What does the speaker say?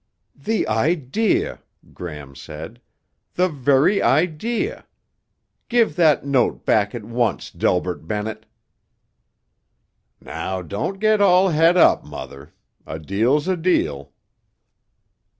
"The idea," Gram said. "The very idea. Give that note back at once, Delbert Bennett." "Now don't get all het up, Mother. A deal's a deal."